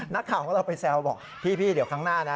นักข่าวของเราไปแซวบอกพี่เดี๋ยวครั้งหน้านะ